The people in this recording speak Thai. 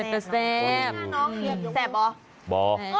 เป็นตัวแซ่บ